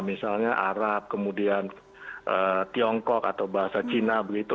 misalnya arab kemudian tiongkok atau bahasa cina begitu